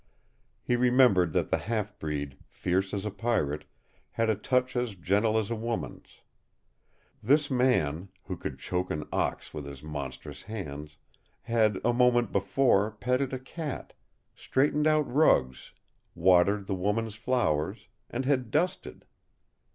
He remembered that the half breed, fierce as a pirate, had a touch as gentle as a woman's. This man, who could choke an ox with his monstrous hands, had a moment before petted a cat, straightened out rugs, watered the woman's flowers, and had dusted.